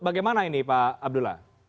bagaimana ini pak abdullah